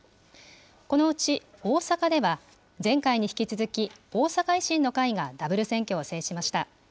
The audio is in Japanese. このうち大阪では、前回に引き続き、大阪維新の会がダブル選挙を制しました。